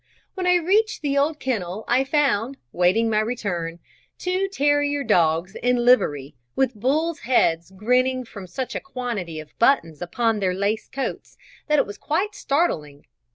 When I reached the old kennel I found, waiting my return, two terrier dogs in livery, with bulls' heads grinning from such a quantity of buttons upon their lace coats that it was quite startling.